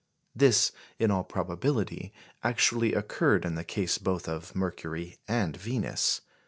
This, in all probability, actually occurred in the case both of Mercury and Venus.